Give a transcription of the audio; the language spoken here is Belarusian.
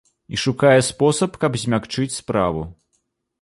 І шукае спосаб, каб змякчыць справу.